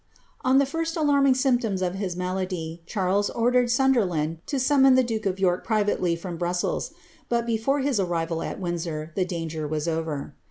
' On the first alarming symptoms of his malady, Cliarles ordered Sun derland to summon the duke of York privately from Brussels ; but be fore his arrival at Windsor, the danger was over.